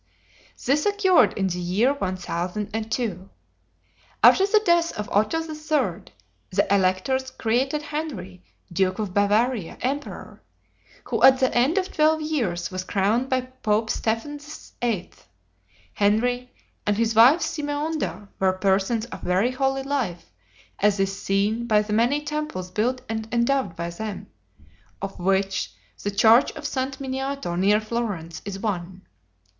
This occurred in the year 1002. After the death of Otho III. the electors created Henry, duke of Bavaria, emperor, who at the end of twelve years was crowned by Pope Stephen VIII. Henry and his wife Simeonda were persons of very holy life, as is seen by the many temples built and endowed by them, of which the church of St. Miniato, near Florence, is one.